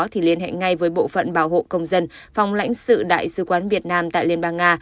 thì liên hệ ngay với bộ phận bảo hộ công dân phòng lãnh sự đại sứ quán việt nam tại liên bang nga